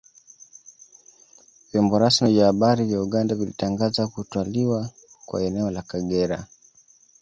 Vyombo rasmi vya habari vya Uganda vilitangaza kutwaliwa kwa eneo la Kagera